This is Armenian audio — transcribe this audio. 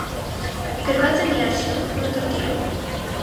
Գրված է միասյուն, նոտրդիրով։